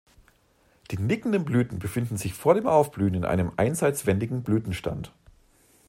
Die nickenden Blüten befinden sich vor dem Aufblühen in einem einseitswendigen Blütenstand.